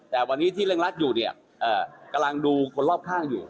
แต่วันนี้ที่เร่งรัดอยู่เนี่ยกำลังดูคนรอบข้างอยู่